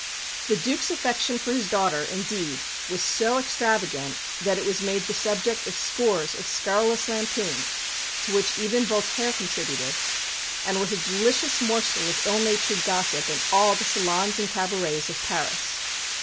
The Duc's affection for his daughter, indeed, was so extravagant that it was made the subject of scores of scurrilous lampoons to which even Voltaire contributed, and was a delicious morsel of ill natured gossip in all the salons and cabarets of Paris.